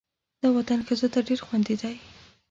دا وطن ښځو ته ډېر خوندي دی.